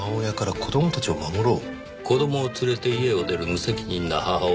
「子供を連れて家を出る無責任な母親が増えています」